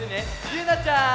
ゆうなちゃん！